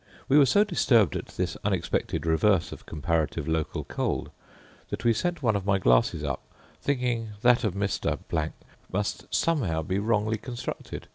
We were so disturbed at this unexpected reverse of comparative local cold, that we sent one of my glasses up, thinking that of Mr. —— must, somehow, be wrongly constructed.